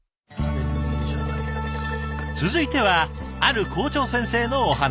続いてはある校長先生のお話。